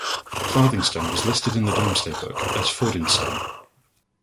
Farthingstone was listed in the Domesday book as Fordinestone.